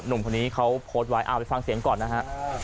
หนุ่มคนนี้เขาโพสต์ไว้เอาไปฟังเสียงก่อนนะฮะ